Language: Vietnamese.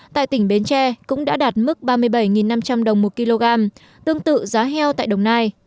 tại tỉnh bến tre cũng đã đạt mức ba mươi bảy năm trăm linh đồng một kg tương tự giá heo tại đồng nai